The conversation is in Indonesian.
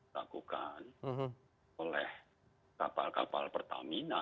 lakukan oleh kapal kapal pertamina